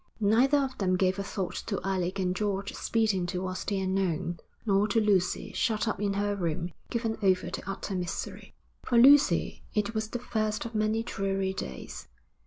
Neither of them gave a thought to Alec and George speeding towards the unknown, nor to Lucy shut up in her room, given over to utter misery. For Lucy it was the first of many dreary days.